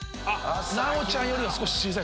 奈央ちゃんより小さい。